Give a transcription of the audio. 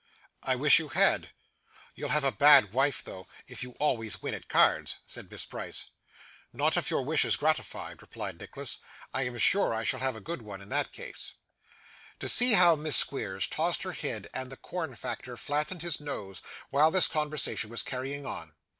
'I wish you had.' 'You'll have a bad wife, though, if you always win at cards,' said Miss Price. 'Not if your wish is gratified,' replied Nicholas. 'I am sure I shall have a good one in that case.' To see how Miss Squeers tossed her head, and the corn factor flattened his nose, while this conversation was carrying on!